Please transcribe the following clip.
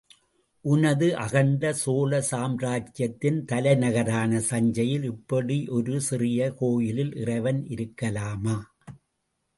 உனது அகண்ட சோழ சாம்ராஜ்யத்தின் தலைநகரான தஞ்சையில் இப்படி ஒரு சிறிய கோயிலில் இறைவன் இருக்கலாமா?